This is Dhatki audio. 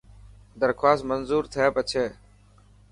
درخواست منظور ٿي پڇي.